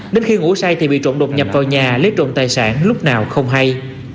đến khi ngủ say thì bị trộn đột nhập vào nhà lấy trộm tài sản lúc nào không hay